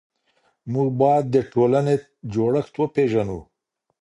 موږ بايد د ټولني جوړښت وپيژنو.